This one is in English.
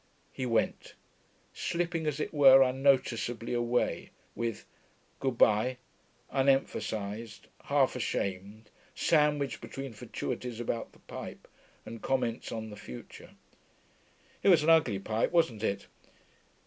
He went, slipping as it were unnoticeably away, with 'Good bye' unemphasised, half ashamed, sandwiched between fatuities about the pipe and comments on the future. 'It was an ugly pipe, wasn't it?